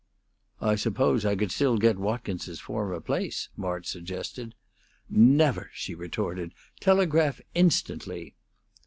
"I suppose I could still get Watkins's former place," March suggested. "Never!" she retorted. "Telegraph instantly!"